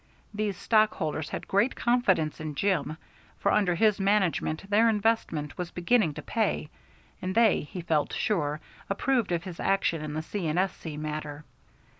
These stockholders had great confidence in Jim, for under his management their investment was beginning to pay, and they, he felt sure, approved of his action in the C. & S.C. matter.